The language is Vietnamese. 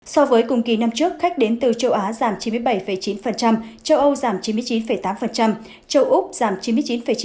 so với cùng kỳ năm trước khách đến từ châu á giảm chín mươi bảy chín châu âu giảm chín mươi chín tám châu úc giảm chín mươi chín chín